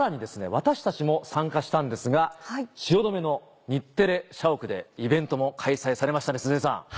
私たちも参加したんですが汐留の日テレ社屋でイベントも開催されましたね鈴江さん。